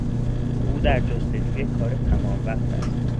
او در جستجوی کار تمام وقت است.